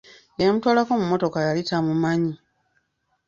Eyamutwalako mu mmotoka yali tamumanyi.